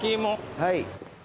はい。